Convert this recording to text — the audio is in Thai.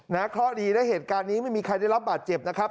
เคราะห์ดีนะเหตุการณ์นี้ไม่มีใครได้รับบาดเจ็บนะครับ